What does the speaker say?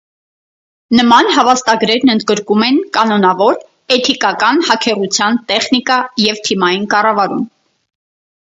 Նման հավաստագրերն ընդգրկում են կանոնավոր, էթիկական հաքերության տեխնիկա և թիմային կառավարում։